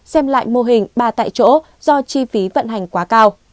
xem lại mô hình ba tại chỗ do chi phí vận hành quá cao